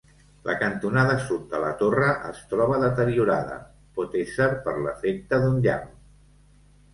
La cantonada sud de la torre es troba deteriorada, pot ésser per l'efecte d'un llamp.